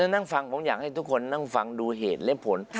นั่งฟังผมอยากให้ทุกคนนั่งฟังดูเหตุและผล